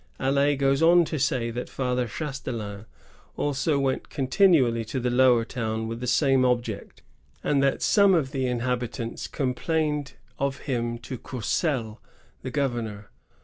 Allet goes on to say that Father Ch&telain also went continually to the Lower Town with the same object, and that some of the inhabitants complained of him to Courcelle, the gov ernor.